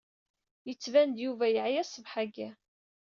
Yettban Yuba yeɛya ṣṣbeḥ-agi.